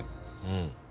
うん。